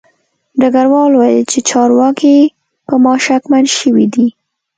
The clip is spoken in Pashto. ډګروال وویل چې چارواکي په ما شکمن شوي دي